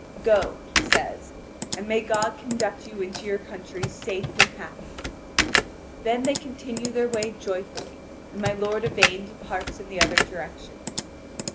"Go," he says, "and may God conduct you into your countries safe and happy." Then they continue their way joyfully; and my lord Yvain departs in the other direction.